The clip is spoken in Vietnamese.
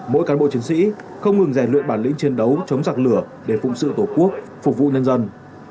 mỗi cán bộ chiến sĩ không ngừng rèn luyện bản lĩnh chiến đấu chống giặc lửa để phụng sự tổ quốc phục vụ nhân dân